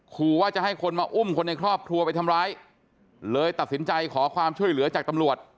ขู่ว่าจะให้คนมาอุ้มคนในครอบครัวไปทำร้ายเลยตัดสินใจขอความช่วยเหลือจากตำรวจ